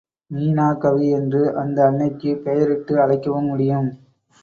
மீனாகவி என்று அந்த அன்னைக்குப் பெயரிட்டு அழைக்கவும் முடியும்.